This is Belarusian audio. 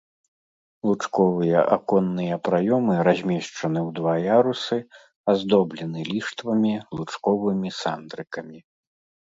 Лучковыя аконныя праёмы размешчаны ў два ярусы, аздоблены ліштвамі, лучковымі сандрыкамі.